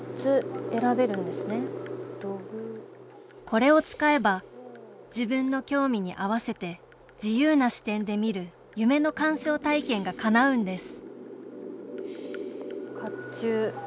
これを使えば自分の興味に合わせて自由な視点で見る夢の鑑賞体験が、かなうんです甲冑。